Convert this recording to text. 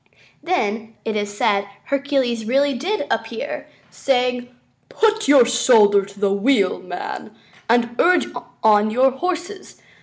Then, it is said, Hercules really did appear, saying: "Put your shoulder to the wheel, man, and urge on your horses.